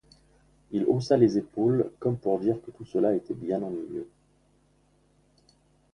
Il haussa les épaules, comme pour dire que tout cela était bien ennuyeux.